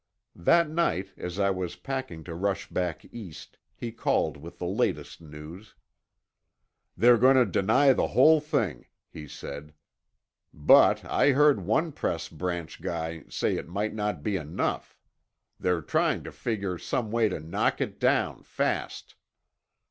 That night, as I was packing to rush back east, he called with the latest news. "They're going to deny the whole thing," he said. "But' I heard one Press Branch guy say it might not be enough —they're trying to figure some way to knock it down fast."